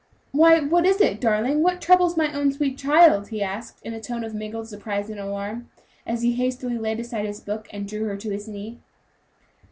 "Why, what is it, darling? what troubles my own sweet child?" he asked, in a tone of mingled surprise and alarm, as he hastily laid aside his book and drew her to his knee.